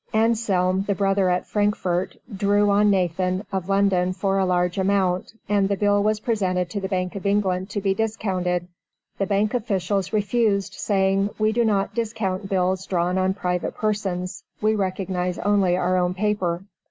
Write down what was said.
Anselm, the brother at Frankfort, drew on Nathan, of London, for a large amount, and the bill was presented to the Bank of England to be discounted. The bank officials refused, saying, "We do not discount bills drawn on private persons; we recognize only our own paper."